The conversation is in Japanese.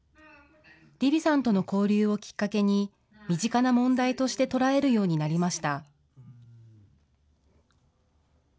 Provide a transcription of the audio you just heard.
リヴィさんとの交流をきっかけに、身近な問題として捉えるようになりました。